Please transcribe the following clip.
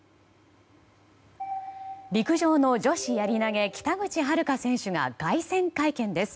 陸上の女子やり投げ北口榛花選手が凱旋会見です。